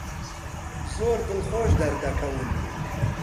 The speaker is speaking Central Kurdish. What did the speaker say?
زۆر دڵخۆش دەردەکەون.